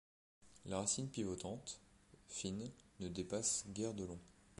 La racine pivotante, fine, ne dépasse guère de long.